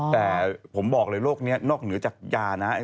แต่ผมบอกเลยโรคนี้นอกเหนือจากยานะ